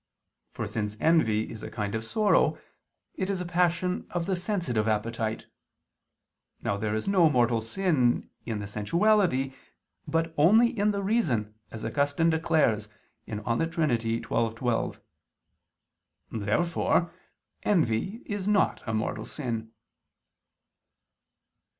For since envy is a kind of sorrow, it is a passion of the sensitive appetite. Now there is no mortal sin in the sensuality, but only in the reason, as Augustine declares (De Trin. xii, 12) [*Cf. I II, Q. 74, A. 4]. Therefore envy is not a mortal sin.